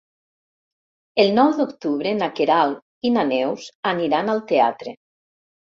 El nou d'octubre na Queralt i na Neus aniran al teatre.